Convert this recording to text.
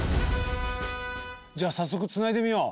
じゃあ早速つないでみよう！